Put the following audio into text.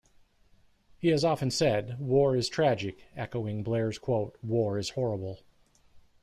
He has often said "War is tragic", echoing Blair's quote, "War is horrible".